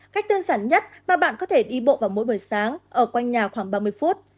cách đơn giản nhất và bạn có thể đi bộ vào mỗi buổi sáng ở quanh nhà khoảng ba mươi phút